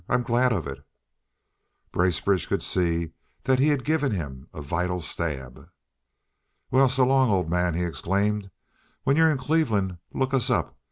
I'm glad of it." Bracebridge could see that he had given him a vital stab. "Well, so long, old man," he exclaimed. "When you're in Cleveland look us up.